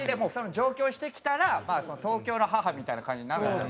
上京してきたら東京の母みたいな感じになるんですよ